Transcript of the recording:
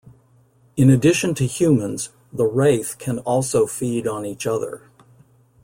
In addition to humans, the Wraith can also feed on each other.